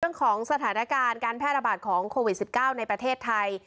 เรื่องของสถานการณ์การแพร่ระบาดของโควิด๑๙ในประเทศไทย